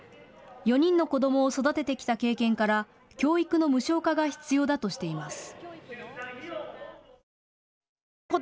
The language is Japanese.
４人の子どもを育ててきた経験から教育の無償化が必要だとしています。